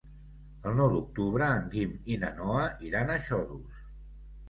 El nou d'octubre en Guim i na Noa iran a Xodos.